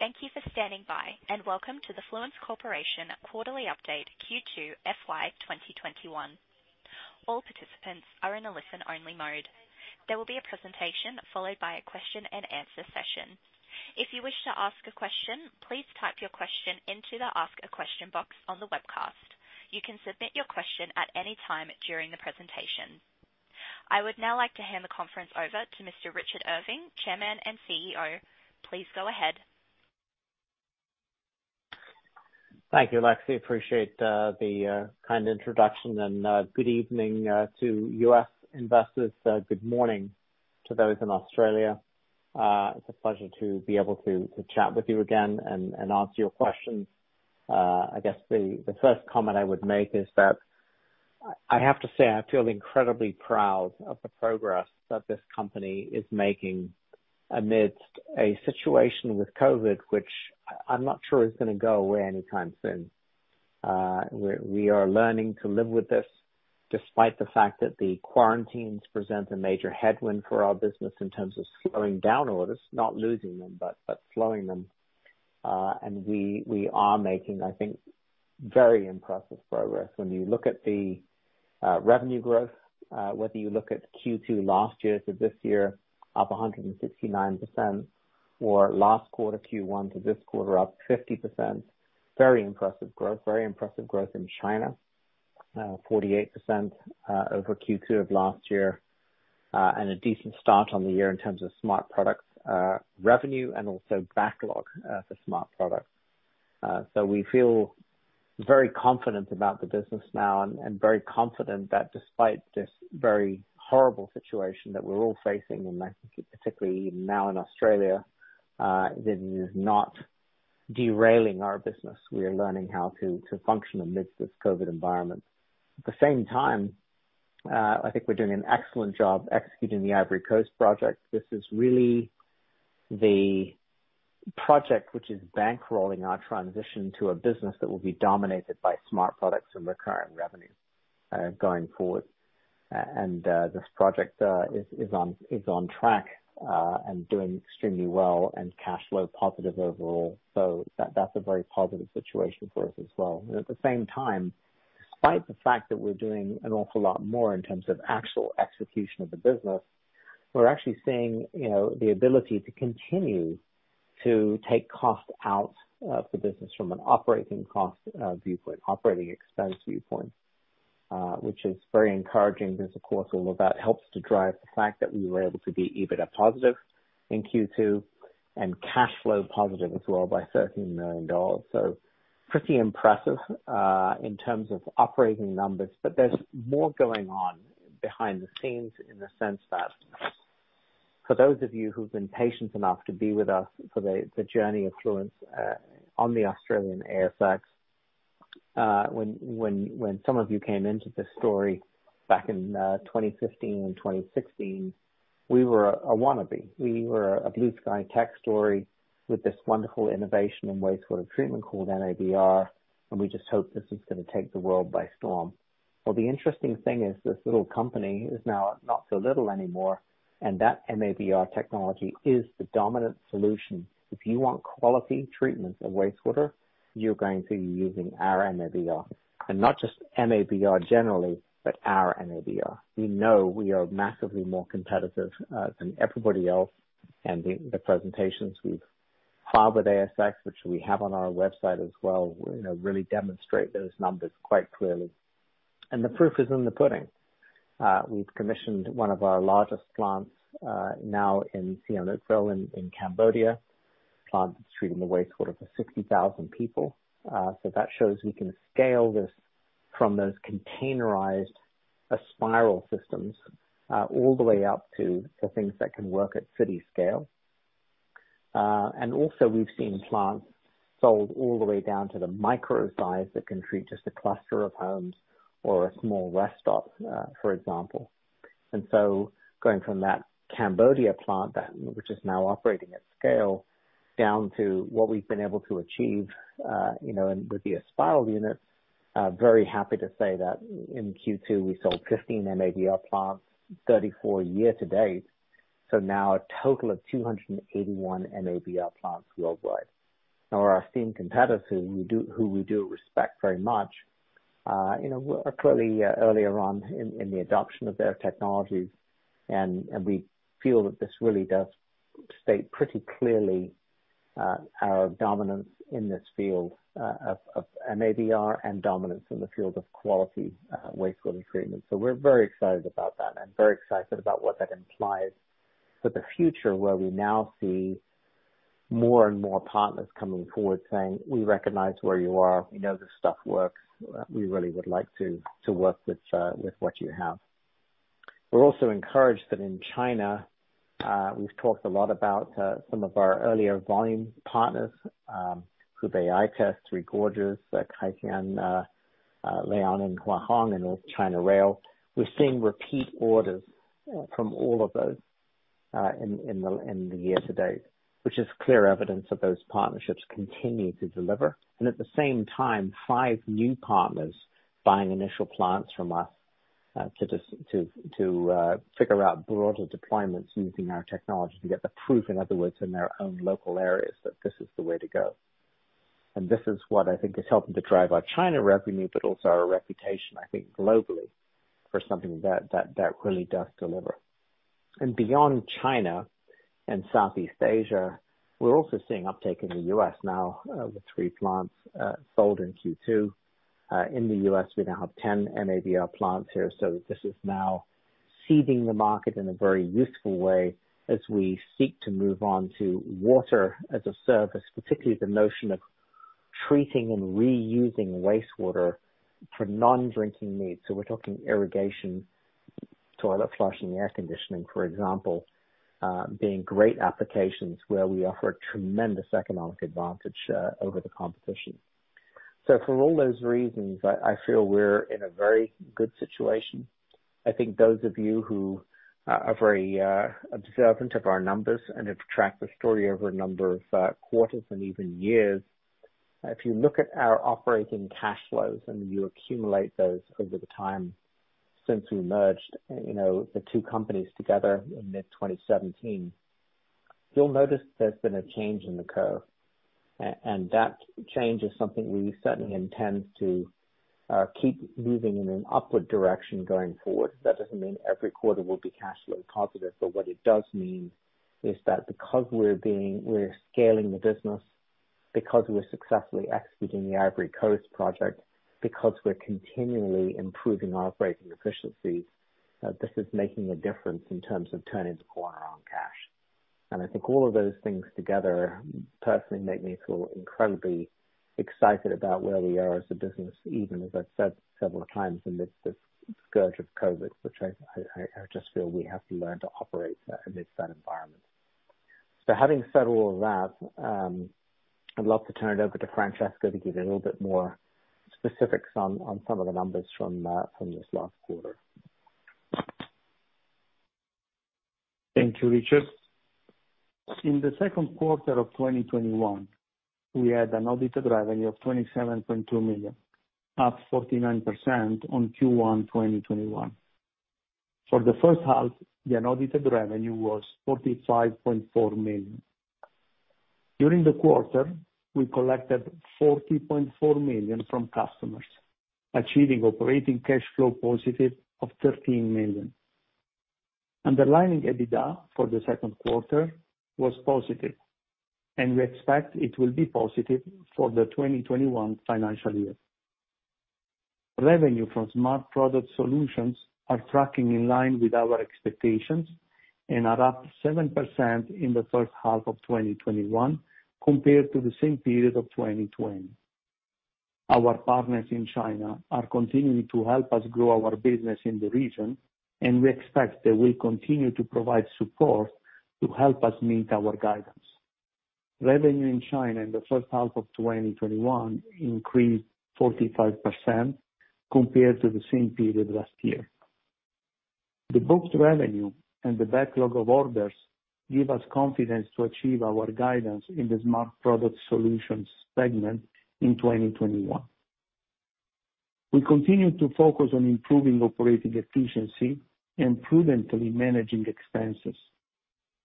Thank you for standing by, and welcome to the Fluence Corporation quarterly update Q2 FY 2021. All participants are in a listen-only mode. There will be a presentation followed by a question and answer session. If you wish to ask a question, please type your question into the ask a question box on the webcast. You can submit your question at any time during the presentation. I would now like to hand the conference over to Mr. Richard Irving, Chairman and CEO. Please go ahead. Thank you, Lexi. Appreciate the kind introduction. Good evening to U.S. investors. Good morning to those in Australia. It's a pleasure to be able to chat with you again and answer your questions. I guess the first comment I would make is that I have to say I feel incredibly proud of the progress that this company is making amidst a situation with COVID, which I'm not sure is going to go away anytime soon. We are learning to live with this, despite the fact that the quarantines present a major headwind for our business in terms of slowing down orders, not losing them, but slowing them. We are making, I think, very impressive progress. When you look at the revenue growth, whether you look at Q2 last year to this year, up 169%, or last quarter, Q1 to this quarter up 50%. Very impressive growth. Very impressive growth in China. 48% over Q2 of last year, and a decent start on the year in terms of smart products revenue and also backlog for smart products. We feel very confident about the business now and very confident that despite this very horrible situation that we're all facing, and I think particularly now in Australia, it is not derailing our business. We are learning how to function amidst this COVID environment. At the same time, I think we're doing an excellent job executing the Ivory Coast project. This is really the project which is bankrolling our transition to a business that will be dominated by smart products and recurring revenue going forward. This project is on track, and doing extremely well, and cash flow positive overall. That's a very positive situation for us as well. At the same time, despite the fact that we're doing an awful lot more in terms of actual execution of the business, we're actually seeing the ability to continue to take cost out of the business from an operating cost viewpoint, operating expense viewpoint. Which is very encouraging because, of course, all of that helps to drive the fact that we were able to be EBITDA positive in Q2 and cash flow positive as well by $13 million. Pretty impressive in terms of operating numbers. There's more going on behind the scenes in the sense that for those of you who've been patient enough to be with us for the journey of Fluence on the Australian ASX, when some of you came into this story back in 2015 and 2016, we were a wannabe. We were a blue sky tech story with this wonderful innovation in wastewater treatment called MABR, and we just hoped this was going to take the world by storm. Well, the interesting thing is this little company is now not so little anymore, and that MABR technology is the dominant solution. If you want quality treatment of wastewater, you're going to be using our MABR. Not just MABR generally, but our MABR. We know we are massively more competitive than everybody else, and the presentations we've filed with ASX, which we have on our website as well, really demonstrate those numbers quite clearly. The proof is in the pudding. We've commissioned one of our largest plants now in Siem Reap in Cambodia. Plant is treating the wastewater for 60,000 people. That shows we can scale this from those containerized Aspiral systems all the way up to the things that can work at city scale. We've seen plants sold all the way down to the micro size that can treat just a cluster of homes or a small rest stop, for example. Going from that Cambodia plant, which is now operating at scale, down to what we've been able to achieve with the Aspiral unit, very happy to say that in Q2 we sold 15 MABR plants, 34 year to date. Now a total of 281 MABR plants worldwide. Now our esteemed competitors who we do respect very much, are clearly earlier on in the adoption of their technologies, and we feel that this really does state pretty clearly our dominance in this field of MABR and dominance in the field of quality wastewater treatment. We're very excited about that and very excited about what that implies for the future, where we now see more and more partners coming forward saying, "We recognize where you are. We know this stuff works. We really would like to work with what you have." We're also encouraged that in China, we've talked a lot about some of our earlier volume partners, Hubei ITEST, Three Gorges, Kaitian, Liaoning and Huahong and North China Rail. We're seeing repeat orders from all of those in the year to date, which is clear evidence that those partnerships continue to deliver. At the same time, five new partners buying initial plants from us to figure out broader deployments using our technology to get the proof, in other words, in their own local areas, that this is the way to go. This is what I think is helping to drive our China revenue, but also our reputation, I think globally, for something that really does deliver. Beyond China and Southeast Asia, we're also seeing uptake in the U.S. now with three plants sold in Q2. In the U.S., we now have 10 MABR plants here. This is now seeding the market in a very useful way as we seek to move on to Water-as-a-Service, particularly the notion of treating and reusing wastewater for non-drinking needs. We're talking irrigation, toilet flushing, air conditioning, for example, being great applications where we offer a tremendous economic advantage over the competition. For all those reasons, I feel we're in a very good situation. I think those of you who are very observant of our numbers and have tracked the story over a number of quarters and even years, if you look at our operating cash flows and you accumulate those over the time since we merged the 2 companies together in mid-2017, you'll notice there's been a change in the curve. That change is something we certainly intend to keep moving in an upward direction going forward. That doesn't mean every quarter will be cash flow positive, but what it does mean is that because we're scaling the business, because we're successfully executing the Ivory Coast project, because we're continually improving our operating efficiency, this is making a difference in terms of turning the corner on cash. I think all of those things together personally make me feel incredibly excited about where we are as a business, even as I've said several times amid the scourge of COVID, which I just feel we have to learn to operate amidst that environment. Having said all of that, I'd love to turn it over to Francesco to give you a little bit more specifics on some of the numbers from this last quarter. Thank you, Richard. In the second quarter of 2021, we had an audited revenue of $27.2 million, up 49% on Q1 2021. For the first half, the audited revenue was $45.4 million. During the quarter, we collected $40.4 million from customers, achieving operating cash flow positive of $13 million. Underlining EBITDA for the second quarter was positive, and we expect it will be positive for the 2021 financial year. Revenue from Smart Products Solutions are tracking in line with our expectations and are up 7% in the first half of 2021 compared to the same period of 2020. Our partners in China are continuing to help us grow our business in the region, and we expect they will continue to provide support to help us meet our guidance. Revenue in China in the first half of 2021 increased 45% compared to the same period last year. The booked revenue and the backlog of orders give us confidence to achieve our guidance in the Smart Products Solutions segment in 2021. We continue to focus on improving operating efficiency and prudently managing expenses.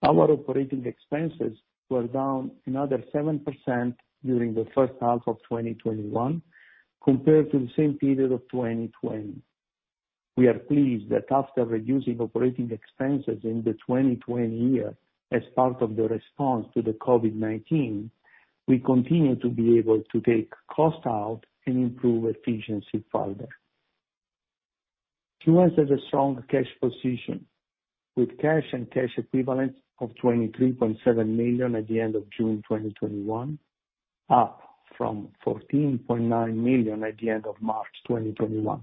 Our operating expenses were down another 7% during the first half of 2021 compared to the same period of 2020. We are pleased that after reducing operating expenses in the 2020 year as part of the response to the COVID-19, we continue to be able to take cost out and improve efficiency further. Fluence has a strong cash position with cash and cash equivalents of $23.7 million at the end of June 2021, up from $14.9 million at the end of March 2021.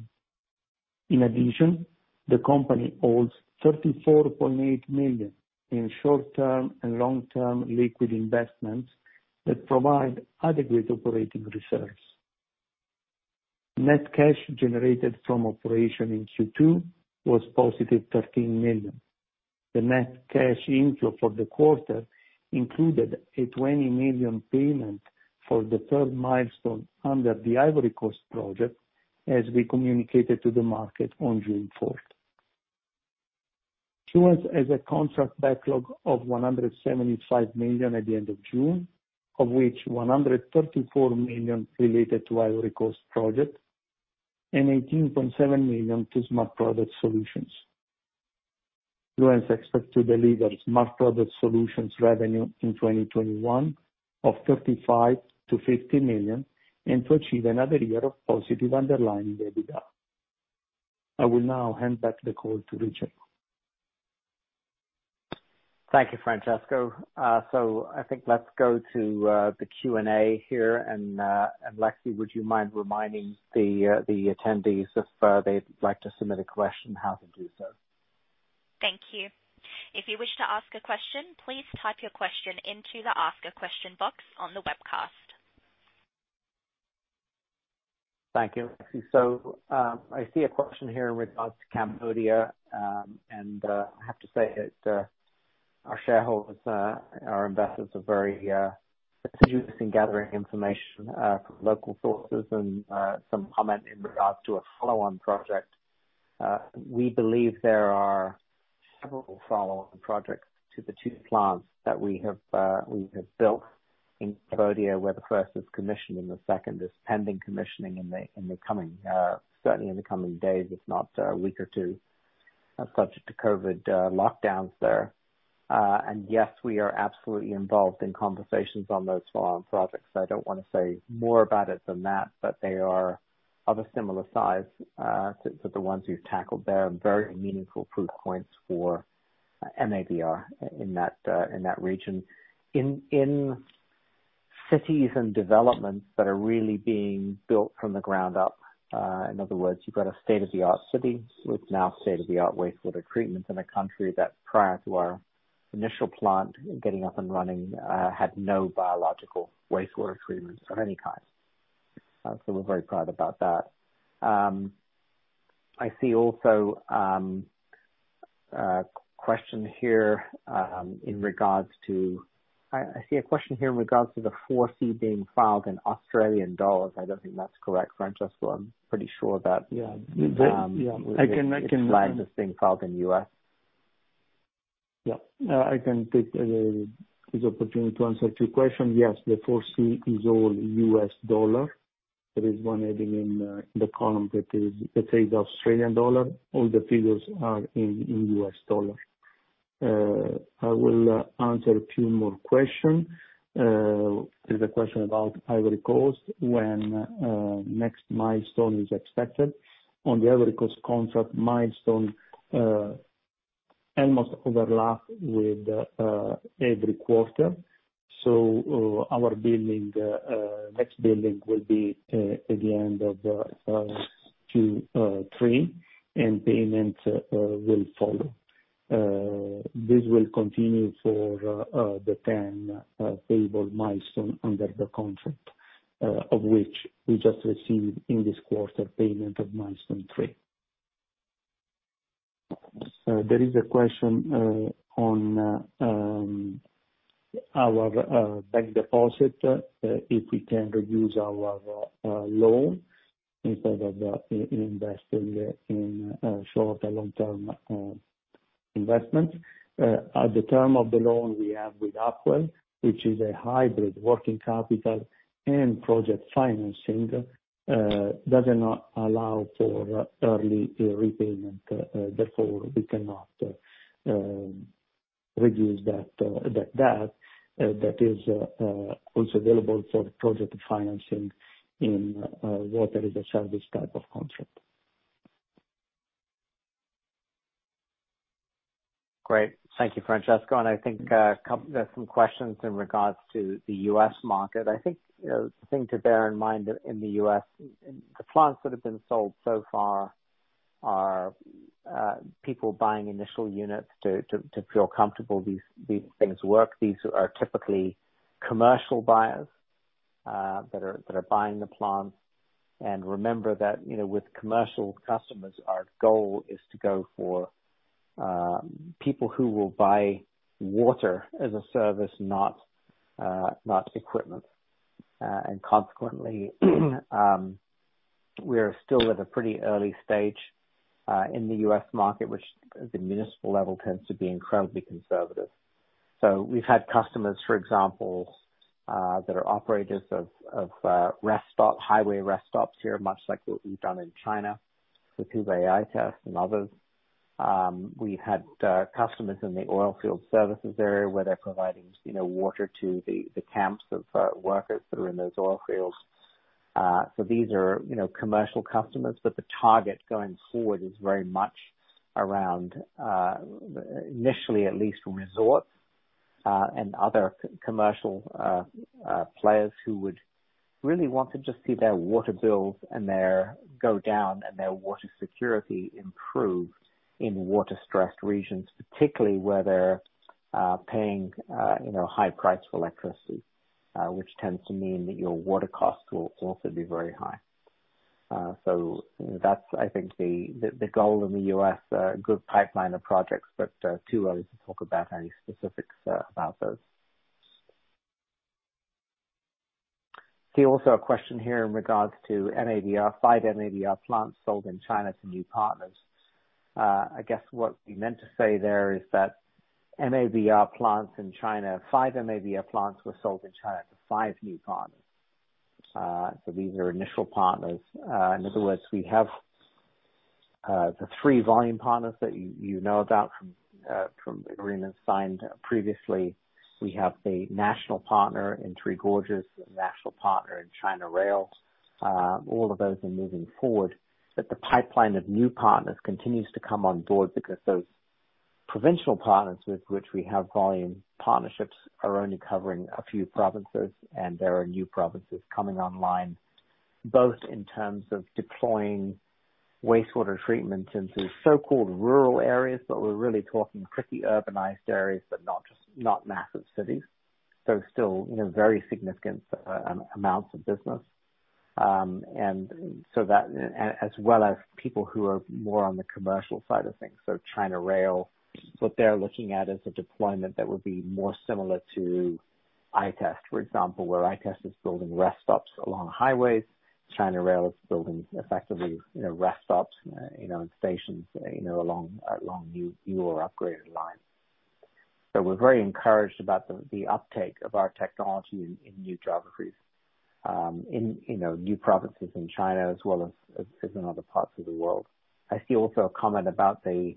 In addition, the company holds $34.8 million in short-term and long-term liquid investments that provide adequate operating reserves. Net cash generated from operation in Q2 was positive $13 million. The net cash inflow for the quarter included a $20 million payment for the third milestone under the Ivory Coast project, as we communicated to the market on June 4th. Fluence has a contract backlog of $175 million at the end of June, of which $134 million related to Ivory Coast project and $18.7 million to Smart Products Solutions. Fluence expects to deliver Smart Products Solutions revenue in 2021 of $35 million-$50 million and to achieve another year of positive underlying EBITDA. I will now hand back the call to Richard. Thank you, Francesco. I think let's go to the Q&A here. Lexi, would you mind reminding the attendees if they'd like to submit a question, how to do so? Thank you. If you wish to ask a question, please type your question into the ask a question box on the webcast. Thank you, Lexi. I see a question here in regards to Cambodia, and I have to say our shareholders, our investors are very assiduous in gathering information from local sources and some comment in regards to a follow-on project. We believe there are several follow-on projects to the two plants that we have built in Cambodia, where the first is commissioned and the second is pending commissioning certainly in the coming days, if not a week or two, subject to COVID lockdowns there. Yes, we are absolutely involved in conversations on those follow-on projects. I don't want to say more about it than that, but they are of a similar size to the ones we've tackled there, and very meaningful proof points for MABR in that region, in cities and developments that are really being built from the ground up. In other words, you've got a state-of-the-art city with now state-of-the-art wastewater treatment in a country that, prior to our initial plant getting up and running, had no biological wastewater treatment of any kind. We're very proud about that. I see a question here in regards to the 4C being filed in Australian dollars. I don't think that's correct, Francesco. Yeah. This line is being filed in U.S. Yeah. I can take this opportunity to answer two questions. Yes, the 4C is all U.S. dollar. There is one heading in the column that says Australian dollar. All the figures are in U.S. dollar. I will answer a few more questions. There's a question about Ivory Coast, when next milestone is expected. On the Ivory Coast contract, milestone almost overlap with every quarter. Our next billing will be at the end of Q3, and payment will follow. This will continue for the 10 payable milestones under the contract, of which we just received in this quarter payment of milestone three. There is a question on our bank deposit, if we can reduce our loan instead of investing in shorter long-term investment. At the term of the loan we have with Upwell, which is a hybrid working capital and project financing, does not allow for early repayment. Therefore, we cannot reduce that debt that is also available for project financing in a Water-as-a-Service type of contract. Great. Thank you, Francesco. I think there's some questions in regards to the U.S. market. I think the thing to bear in mind in the U.S., the plants that have been sold so far are people buying initial units to feel comfortable these things work. These are typically commercial buyers that are buying the plants. Remember that with commercial customers, our goal is to go for people who will buy Water-as-a-Service, not equipment. Consequently, we are still at a pretty early stage in the U.S. market, which at the municipal level tends to be incredibly conservative. We've had customers, for example, that are operators of highway rest stops here, much like what we've done in China with Hubei ITEST and others. We've had customers in the oil field services area where they're providing water to the camps of workers that are in those oil fields. These are commercial customers, but the target going forward is very much around, initially at least, resorts and other commercial players who would really want to just see their water bills go down and their water security improved in water-stressed regions, particularly where they're paying high price for electricity, which tends to mean that your water costs will also be very high. That's, I think, the goal in the U.S. A good pipeline of projects, but too early to talk about any specifics about those. See also a question here in regards to five MABR plants sold in China to new partners. I guess what we meant to say there is that five MABR plants were sold in China to five new partners. These are initial partners. In other words, we have the three volume partners that you know about from agreements signed previously. We have a national partner in Three Gorges, a national partner in China Rail. All of those are moving forward, but the pipeline of new partners continues to come on board because those provincial partners with which we have volume partnerships are only covering a few provinces, and there are new provinces coming online, both in terms of deploying wastewater treatment into so-called rural areas, but we're really talking pretty urbanized areas, but not massive cities. Still very significant amounts of business. That, as well as people who are more on the commercial side of things. China Rail, what they're looking at is a deployment that would be more similar to ITEST, for example, where ITEST is building rest stops along highways. China Railway is building effectively rest stops, and stations along new or upgraded lines. We're very encouraged about the uptake of our technology in new geographies in new provinces in China as well as in other parts of the world. I see also a comment about the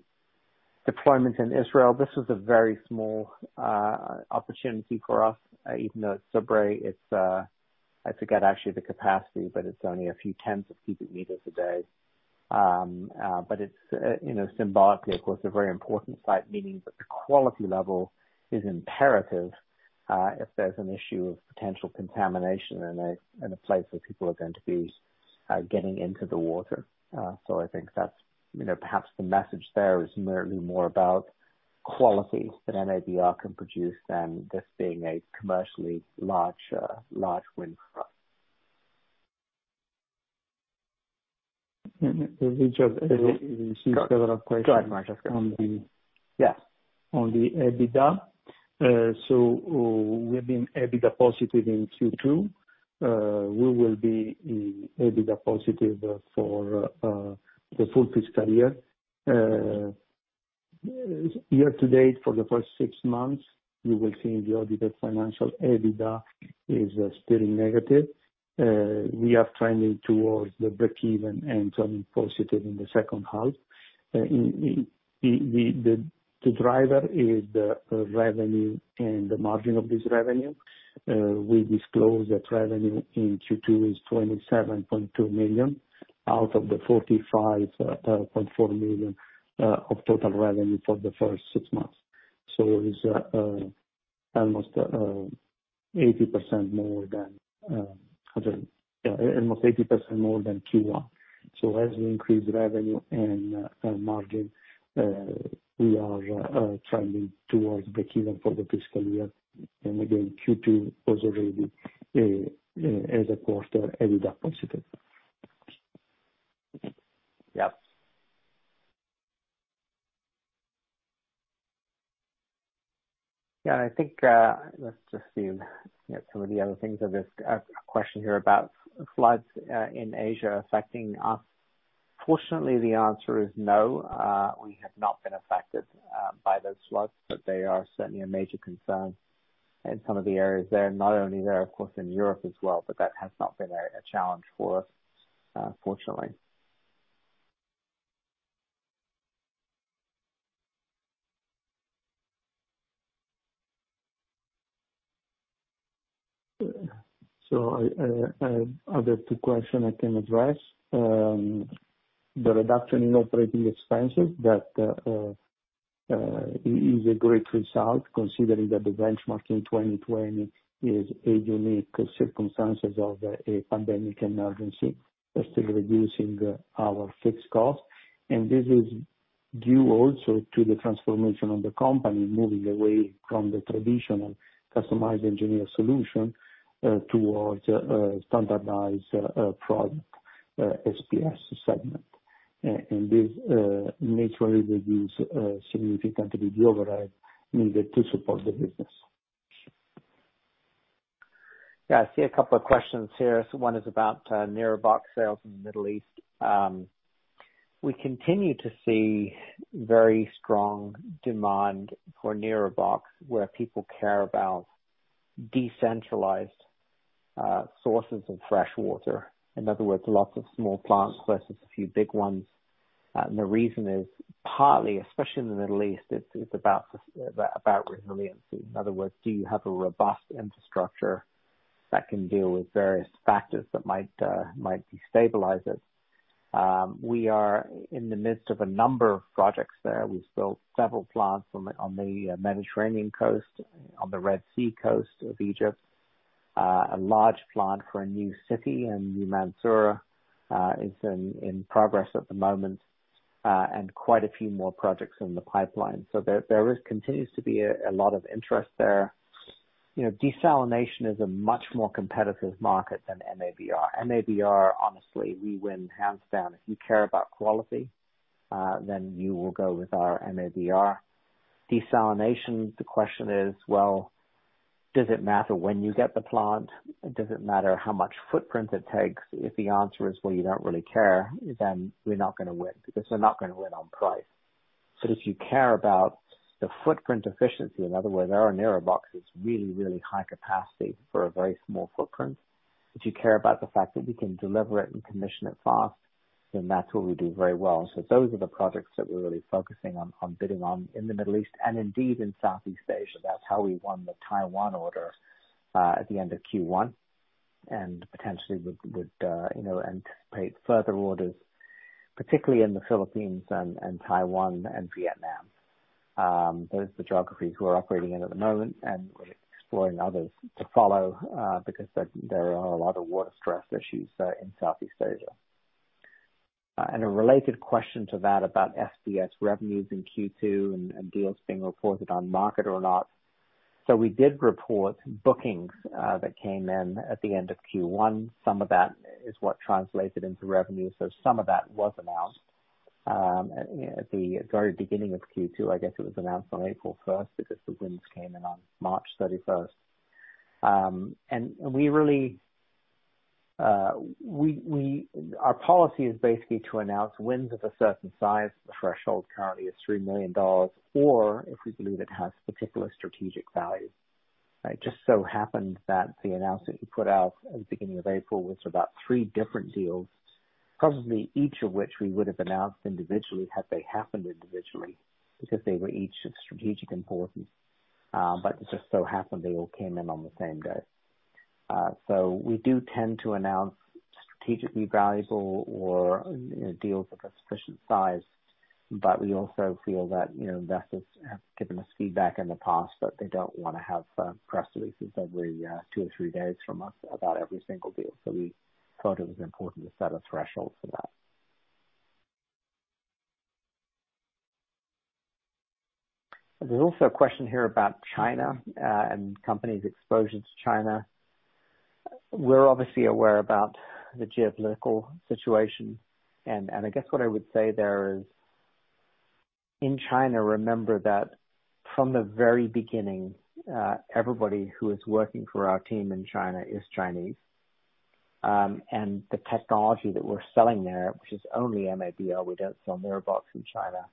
deployment in Israel. This was a very small opportunity for us, even though at SUBRE, I forget actually the capacity, but it's only a few tens of cubic meters a day. It's symbolically, of course, a very important site, meaning that the quality level is imperative, if there's an issue of potential contamination in a place where people are going to be getting into the water. I think perhaps the message there is merely more about quality that MABR can produce than this being a commercially large win for us. We just received several questions. Go ahead, Francesco. On the- Yeah. On the EBITDA. We've been EBITDA positive in Q2. We will be EBITDA positive for the full fiscal year. Year to date for the first six months, you will see in the audited financial, EBITDA is still negative. We are trending towards the breakeven and turning positive in the second half. The driver is the revenue and the margin of this revenue. We disclose that revenue in Q2 is $27.2 million, out of the $45.4 million of total revenue for the first six months. It is almost 80% more than Q1. As we increase revenue and margin, we are trending towards breakeven for the fiscal year. Again, Q2 was already as a quarter, EBITDA positive. Yep. Yeah, I think, let's just see some of the other things. There's a question here about floods in Asia affecting us. Fortunately, the answer is no. We have not been affected by those floods, but they are certainly a major concern in some of the areas there. Not only there, of course, in Europe as well, but that has not been a challenge for us, fortunately. I have two other questions I can address. The reduction in operating expenses that is a great result considering that the benchmarking 2020 is a unique circumstances of a pandemic emergency. We're still reducing our fixed cost, and this is due also to the transformation of the company moving away from the traditional customized engineer solution, towards a standardized product, SPS segment. This naturally reduce significantly the overhead needed to support the business. Yeah, I see a couple questions here. One is about NIROBOX sales in the Middle East. We continue to see very strong demand for NIROBOX where people care about decentralized sources of fresh water. In other words, lots of small plants versus a few big ones. The reason is partly, especially in the Middle East, it's about resiliency. In other words, do you have a robust infrastructure that can deal with various factors that might destabilize it? We are in the midst of a number of projects there. We've built several plants on the Mediterranean coast, on the Red Sea coast of Egypt. A large plant for a new city in New Mansoura is in progress at the moment, and quite a few more projects in the pipeline. There continues to be a lot of interest there. Desalination is a much more competitive market than MABR. MABR, honestly, we win hands down. If you care about quality, you will go with our MABR. Desalination, the question is, well, does it matter when you get the plant? Does it matter how much footprint it takes? If the answer is, well, you don't really care, we're not gonna win because we're not gonna win on price. If you care about the footprint efficiency, in other words, our NIROBOX is really, really high capacity for a very small footprint. If you care about the fact that we can deliver it and commission it fast, that's what we do very well. Those are the projects that we're really focusing on bidding on in the Middle East and indeed in Southeast Asia. That's how we won the Taiwan order, at the end of Q1 and potentially would anticipate further orders, particularly in the Philippines and Taiwan and Vietnam. Those are the geographies we're operating in at the moment, and we're exploring others to follow, because there are a lot of water stress issues in Southeast Asia. A related question to that about SPS revenues in Q2 and deals being reported on market or not. We did report bookings that came in at the end of Q1. Some of that is what translated into revenue. Some of that was announced at the very beginning of Q2. I guess it was announced on April 1st because the wins came in on March 31st. Our policy is basically to announce wins of a certain size. The threshold currently is $3 million, or if we believe it has particular strategic value. It just so happened that the announcement we put out at the beginning of April was about three different deals, probably each of which we would have announced individually had they happened individually, because they were each of strategic importance. It just so happened they all came in on the same day. We do tend to announce strategically valuable or deals of a sufficient size, but we also feel that investors have given us feedback in the past that they don't want to have press releases every two or three days from us about every single deal. We thought it was important to set a threshold for that. There's also a question here about China and company's exposure to China. We're obviously aware about the geopolitical situation. I guess what I would say there is, in China, remember that from the very beginning, everybody who is working for our team in China is Chinese. The technology that we're selling there, which is only MABR, we don't sell NIROBOX in China.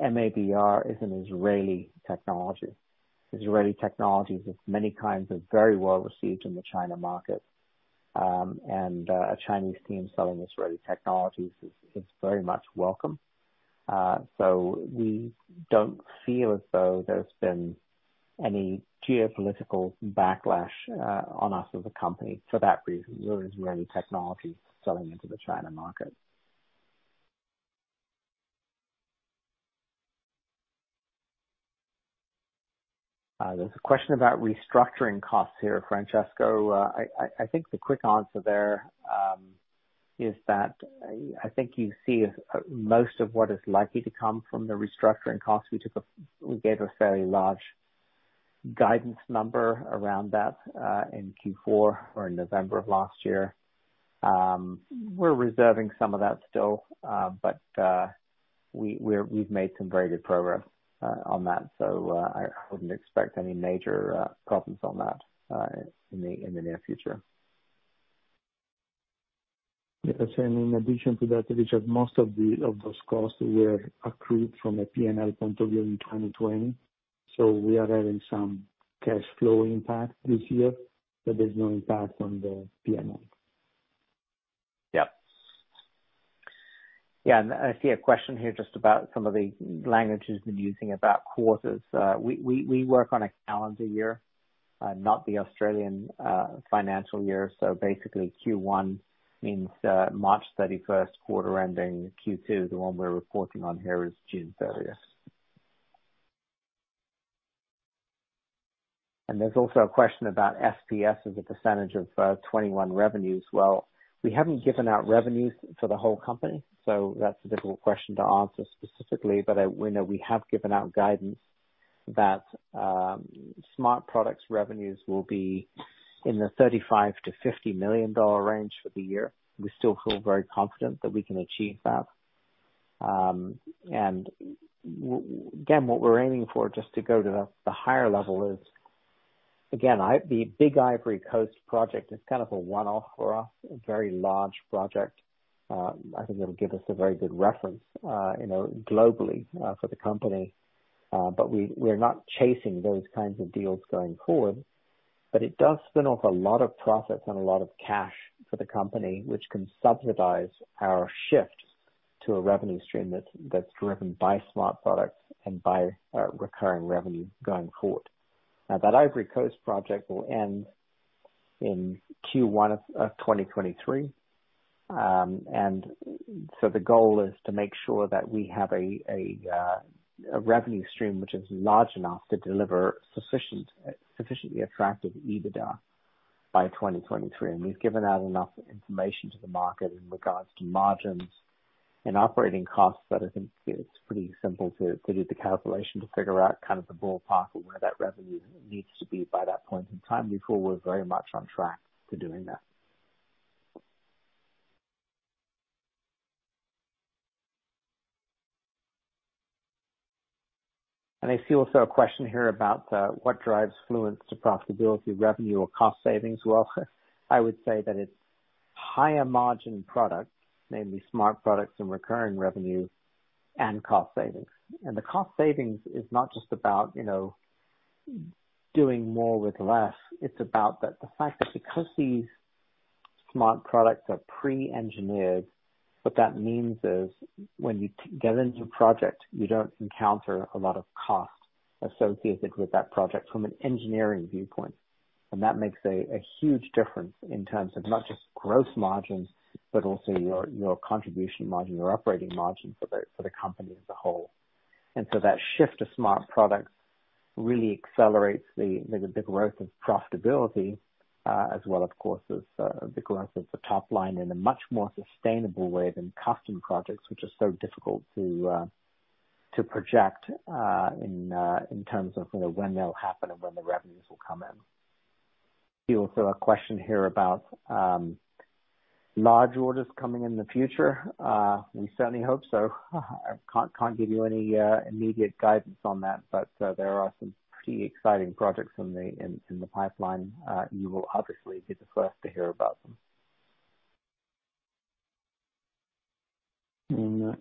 MABR is an Israeli technology. Israeli technologies of many kinds are very well received in the China market. A Chinese team selling Israeli technologies is very much welcome. We don't feel as though there's been any geopolitical backlash on us as a company for that reason. We're an Israeli technology selling into the China market. There's a question about restructuring costs here, Francesco. I think the quick answer there is that I think you see most of what is likely to come from the restructuring costs. We gave a fairly large guidance number around that in Q4 or in November of last year. We're reserving some of that still, but we've made some very good progress on that, so I wouldn't expect any major problems on that in the near future. Yes. In addition to that, Richard, most of those costs were accrued from a P&L point of view in 2020. We are having some cash flow impact this year, but there's no impact on the P&L. Yep. Yeah. I see a question here just about some of the language you've been using about quarters. We work on a calendar year, not the Australian financial year. Basically, Q1 means March 31st quarter ending. Q2, the one we're reporting on here is June 30th. There's also a question about SPS as a percentage of FY 2021 revenues. Well, we haven't given out revenues for the whole company, so that's a difficult question to answer specifically. We have given out guidance that smart products revenues will be in the $35 million-$50 million range for the year. We still feel very confident that we can achieve that. Again, what we're aiming for, just to go to the higher level is, again, the big Ivory Coast project is kind of a one-off for us, a very large project. I think it'll give us a very good reference globally for the company. We're not chasing those kinds of deals going forward. It does spin off a lot of profits and a lot of cash for the company, which can subsidize our shift to a revenue stream that's driven by smart products and by recurring revenue going forward. That Ivory Coast project will end in Q1 of 2023. The goal is to make sure that we have a revenue stream which is large enough to deliver sufficiently attractive EBITDA by 2023. We've given out enough information to the market in regards to margins and operating costs that I think it's pretty simple to do the calculation to figure out kind of the ballpark of where that revenue needs to be by that point in time. We feel we're very much on track to doing that. I see also a question here about what drives Fluence to profitability, revenue or cost savings? Well, I would say that it's higher margin products, namely smart products and recurring revenue and cost savings. The cost savings is not just about doing more with less. It's about the fact that because these smart products are pre-engineered, what that means is when you get into a project, you don't encounter a lot of costs associated with that project from an engineering viewpoint. That makes a huge difference in terms of not just gross margins, but also your contribution margin, your operating margin for the company as a whole. That shift to smart products really accelerates the growth of profitability, as well, of course, as the growth of the top line in a much more sustainable way than custom projects, which are so difficult to project in terms of when they'll happen and when the revenues will come in. See also a question here about large orders coming in the future. We certainly hope so. I can't give you any immediate guidance on that, but there are some pretty exciting projects in the pipeline. You will obviously be the first to hear about them.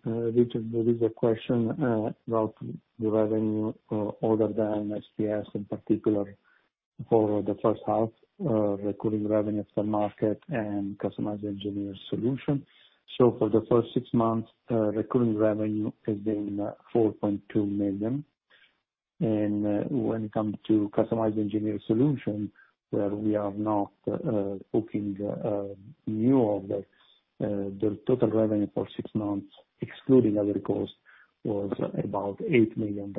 Richard, there is a question about the revenue order than SPS, in particular for the first half of recurring revenue from market and customized engineered solution. For the first six months, recurring revenue has been $4.2 million. When it comes to customized engineered solution, where we are now booking new orders, the total revenue for six months, excluding other costs, was about $8 million.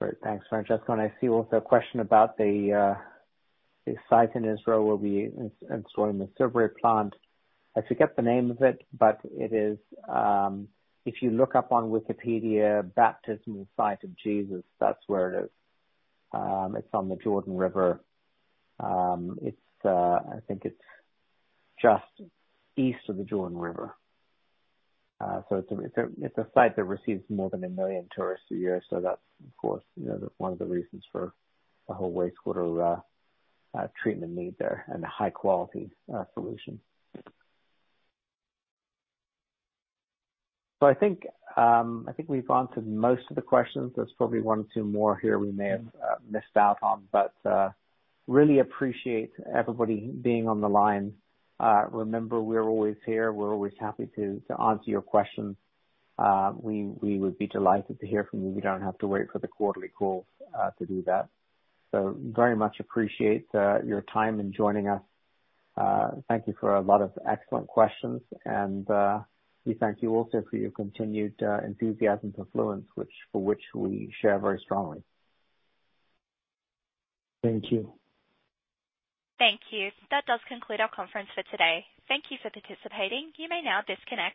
Great. Thanks, Francesco. I see also a question about the site in Israel will be installing the sewage plant. I forget the name of it, but if you look up on Wikipedia, Baptismal Site of Jesus, that's where it is. It's on the Jordan River. I think it's just east of the Jordan River. It's a site that receives more than 1 million tourists a year, so that's, of course, one of the reasons for the whole wastewater treatment need there and a high-quality solution. I think we've answered most of the questions. There's probably one or two more here we may have missed out on. Really appreciate everybody being on the line. Remember, we're always here. We're always happy to answer your questions. We would be delighted to hear from you. You don't have to wait for the quarterly call to do that. Very much appreciate your time in joining us. Thank you for a lot of excellent questions, and we thank you also for your continued enthusiasm for Fluence, for which we share very strongly. Thank you. Thank you. That does conclude our conference for today. Thank you for participating. You may now disconnect.